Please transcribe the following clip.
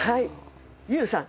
ＹＯＵさん。